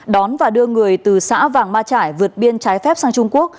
đón và đưa người từ xã vàng ma trải vượt biên trái phép sang trung quốc